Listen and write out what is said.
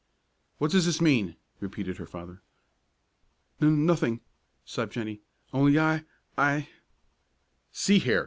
"What does this mean?" repeated her father. "N nothing," sobbed Jennie, "only I I " "See here!"